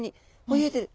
泳いでる。